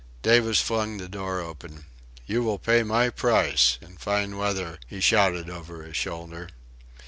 Davis flung the door open. "You will pay my price... in fine weather," he shouted over his shoulder.